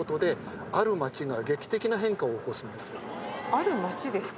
ある街ですか。